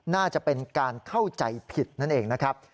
น่าจะเป็นการเข้าใจผิดนั่นเองนะครับ